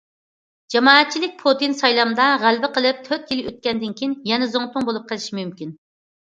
جامائەتچىلىك: پۇتىن سايلامدا غەلىبە قىلىپ، تۆت يىل ئۆتكەندىن كېيىن يەنە زۇڭتۇڭ بولۇپ قېلىشى مۇمكىن.